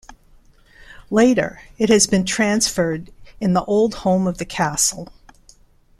Later, it has been transferred in the old home of the castle.